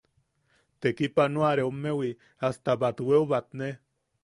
Tekipanoareommewi hasta batweu batne.